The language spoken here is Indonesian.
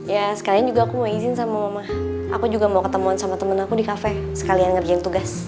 ya sekalian juga aku mau izin sama mama aku juga mau ketemuan sama temen aku di kafe sekalian ngerjain tugas